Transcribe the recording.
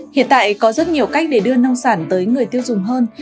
hiện tại có rất nhiều cách để đưa nông sản tới người tiêu dùng hơn